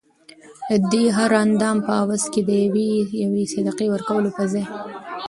ددې هر هر اندام په عوض کي د یوې یوې صدقې ورکولو په ځای